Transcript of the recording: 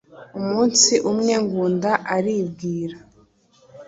Umunsi umwe Ngunda aribwira